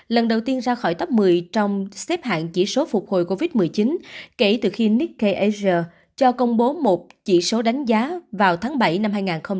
lần đầu tiên ra khỏi top một mươi trong xếp hạng chỉ số phục hồi covid một mươi chín kể từ khi nikkei asia cho công bố một chỉ số đánh giá vào tháng bảy năm hai nghìn hai mươi